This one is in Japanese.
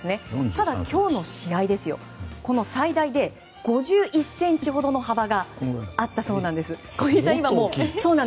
ただ、今日の試合は最大で５１ｃｍほどの幅があったそうなんです。